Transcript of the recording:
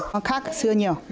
nó khác xưa nhiều